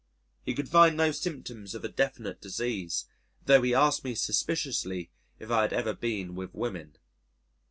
He could find no symptoms of a definite disease, tho' he asked me suspiciously if I had ever been with women.